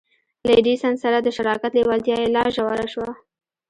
له ايډېسن سره د شراکت لېوالتیا يې لا ژوره شوه.